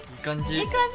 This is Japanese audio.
いい感じ。